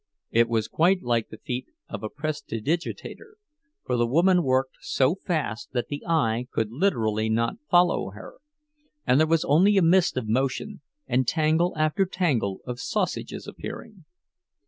It was quite like the feat of a prestidigitator—for the woman worked so fast that the eye could literally not follow her, and there was only a mist of motion, and tangle after tangle of sausages appearing.